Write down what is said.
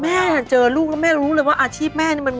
แม่ท่านเจอลูกเนี่ยแม่เรารู้เลยว่าอาชีพแม่น่ะมันวว